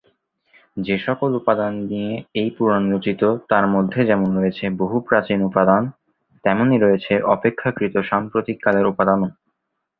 যেসকল উপাদান নিয়ে এই পুরাণ রচিত, তার মধ্যে যেমন রয়েছে বহু প্রাচীন উপাদান, তেমনই রয়েছে অপেক্ষাকৃত সাম্প্রতিক কালের উপাদানও।